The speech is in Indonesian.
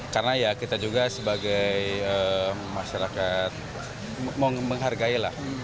karena kita juga sebagai masyarakat menghargai